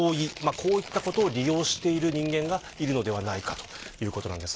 こういったことを利用している人間がいるのではないかということです。